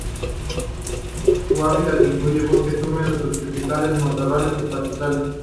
Su hábitat incluye bosques húmedos subtropicales, matorrales y pastizales.